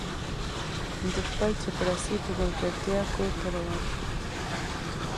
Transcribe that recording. د خپل چپړاسي په ملګرتیا کور ته روان شو.